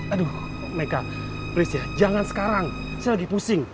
aduh make please ya jangan sekarang saya lagi pusing